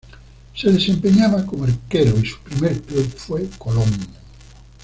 Se desempeñaba como arquero y su primer club fue Colón.